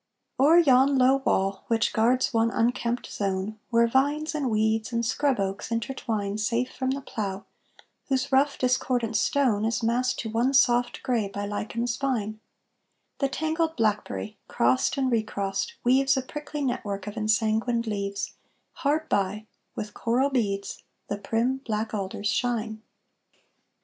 O'er yon low wall, which guards one unkempt zone, Where vines, and weeds, and scrub oaks intertwine Safe from the plough, whose rough, discordant stone Is massed to one soft gray by lichens fine, The tangled blackberry, crossed and recrossed, weaves A prickly network of ensanguined leaves; Hard by, with coral beads, the prim black alders shine.